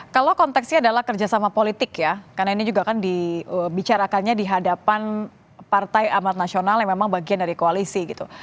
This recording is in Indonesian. kalau konteksnya adalah kerjasama politik ya karena ini juga kan dibicarakannya di hadapan partai amat nasional yang memang bagian dari koalisi gitu